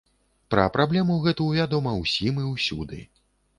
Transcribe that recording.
Пра праблему гэту вядома ўсім і ўсюды.